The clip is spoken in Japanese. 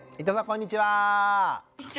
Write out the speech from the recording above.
こんにちは。